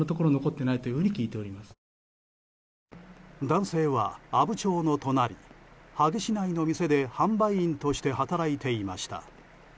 男性は阿武町の隣萩市内の店で販売員として働いていました。